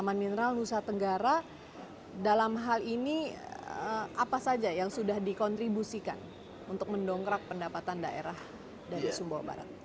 taman mineral nusa tenggara dalam hal ini apa saja yang sudah dikontribusikan untuk mendongkrak pendapatan daerah dari sumbawa barat